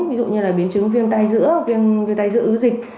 ví dụ như là biến chứng viêm tay giữa viêm tay giữa ứ dịch